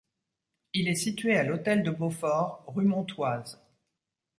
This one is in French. Il est situé à l'Hôtel de Beaufort, rue Montoise.